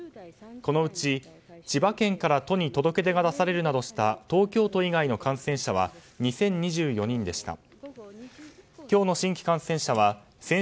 このうち千葉県から都に届け出が出されるなどして東京都以外の感染者は２０２４人でした。